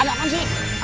ada kan sih